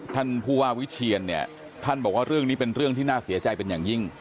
ท่านผู้ว่าวิเชียนเนี่ยท่านบอกว่าเรื่องนี้เป็นเรื่องที่น่าเสียใจเป็นอย่างยิ่ง